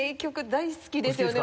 大好きですよね。